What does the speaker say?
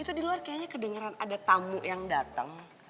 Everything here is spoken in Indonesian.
itu di luar kayaknya kedengeran ada tamu yang datang